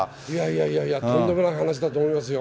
いやいや、とんでもない話だと思いますよ。